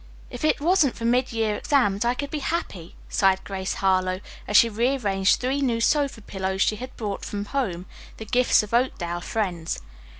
If it wasn't for mid year exams, I could be happy," sighed Grace Harlowe, as she rearranged three new sofa pillows she had brought from home, the gifts of Oakdale friends.